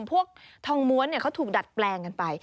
ทองม้วนเขาถูกดัดแปลงกันไป